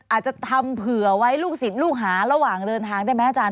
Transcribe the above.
อาจจะทำเผื่อไว้ลูกศิษย์ลูกหาระหว่างเดินทางได้ไหมอาจารย